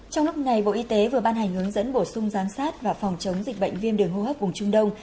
trong lúc này bộ y tế vừa ban hành hướng dẫn bổ sung giám sát và phòng chống dịch bệnh viêm đường hô hấp vùng trung đông